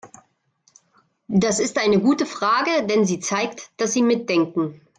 Das ist eine gute Frage, denn sie zeigt, dass Sie mitdenken.